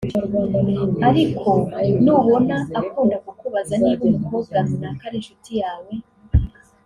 Ariko nubona akunda kukubaza niba umukobwa runaka ari inshuti yawe